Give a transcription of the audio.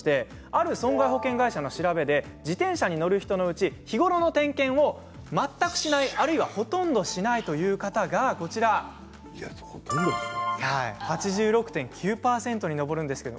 ある損害保険会社の調べで自転車に乗る人のうち日頃の点検を全くしないあるいはほとんどしないという方が８６．９％に上るんです。